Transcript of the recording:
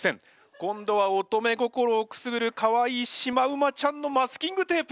今度は乙女心をくすぐるかわいいシマウマちゃんのマスキングテープ。